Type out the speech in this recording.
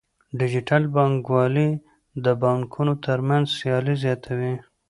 ډیجیټل بانکوالي د بانکونو ترمنځ سیالي زیاتوي.